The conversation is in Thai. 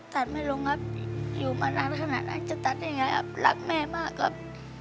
ตัดไม่ลงครับอยู่มานานขนาดนั้นจะตัดยังไงครับรักแม่มากครับ